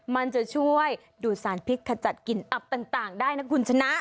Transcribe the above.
มันจะช่วยดูดสารพิษขจัดกลิ่นอับต่างได้นะคุณชนะ